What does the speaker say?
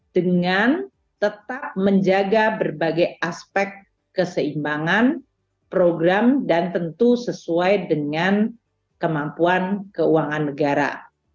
dengan tetap menjaga berbagai aspek keseimbangan program dan tentu sesuai dengan kemampuan keuangan negara